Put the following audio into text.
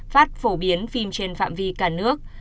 phát phổ biến phim trên phạm vi cả nước